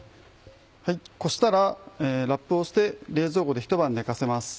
こしたらラップをして冷蔵庫でひと晩寝かせます。